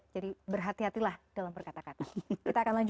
jadi berhati hatilah dalam perkata kata